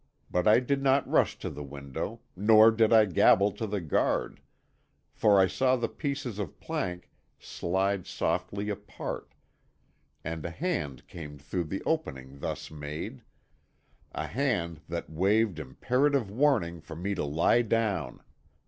But I did not rush to the window nor did I gabble to the guard, for I saw the pieces of plank slide softly apart and a hand came through the opening thus made—a hand that waved imperative warning for me to lie down.